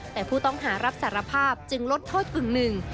แต่ผู้ต้องหารับสารภาพจึงลดโทษกึ่งหนึ่ง